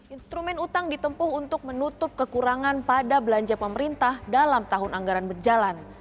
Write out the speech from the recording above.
instrumen utang ditempuh untuk menutup kekurangan pada belanja pemerintah dalam tahun anggaran berjalan